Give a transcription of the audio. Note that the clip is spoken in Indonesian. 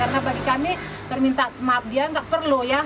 karena bagi kami permintaan maaf dia nggak perlu ya